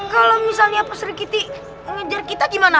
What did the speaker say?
kalau misalnya peseri kita ngejar kita gimana